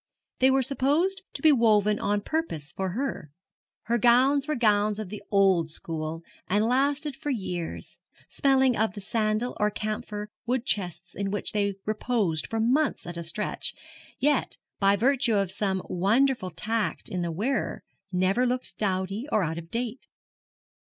They were supposed to be woven on purpose for her. Her gowns were gowns of the old school, and lasted for years, smelling of the sandal or camphor wood chests in which they reposed for months at a stretch, yet, by virtue of some wonderful tact in the wearer, never looked dowdy or out of date.